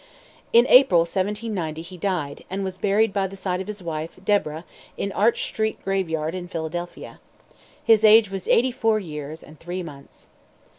In April, 1790, he died, and was buried by the side of his wife, Deborah, in Arch street graveyard in Philadelphia. His age was eighty four years and three months.